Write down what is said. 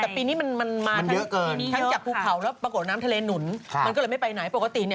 แต่ปีนี้มาทั้งจากภูเผาแล้วปอกกก์นน้ำทะเลหนุนมันก็เลยไม่ไปไหน